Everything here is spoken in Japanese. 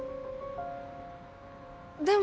でも。